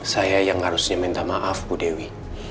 saya yang harusnya minta maaf bu dewi